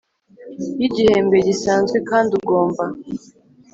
Y igihembwe gisanzwe kandi ugomba